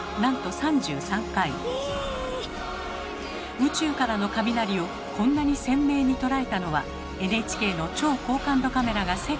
宇宙からの雷をこんなに鮮明に捉えたのはＮＨＫの超高感度カメラが世界初。